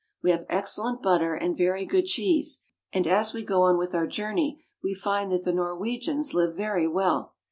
We have excellent butter and very good cheese, and as we go on with our journey we find that the Norwegians live very well.